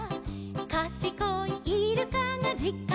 「かしこいイルカがじかんをきいた」